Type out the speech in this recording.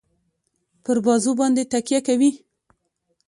پر بازو باندي تکیه کوي.